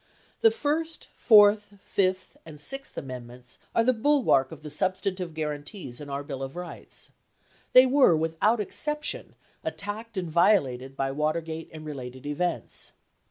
The first, fourth, fifth, and sixth amendments are the bulwark of the substantive guarantees in our Bill of Rights. They were, without exception, attacked and violated by Watergate and related events.